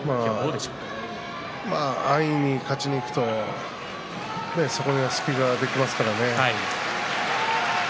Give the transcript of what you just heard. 安易に勝ちにいくとそこで隙が出ますからね。